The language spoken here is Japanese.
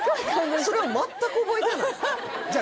それを全く覚えてない